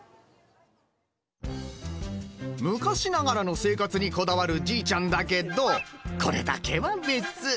昔ながらの生活にこだわるじいちゃんだけどこれだけは別。